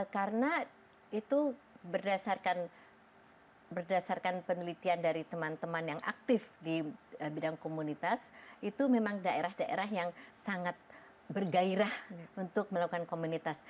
karena itu berdasarkan penelitian dari teman teman yang aktif di bidang komunitas itu memang daerah daerah yang sangat bergairah untuk melakukan komunitas